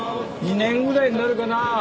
２年ぐらいになるかな。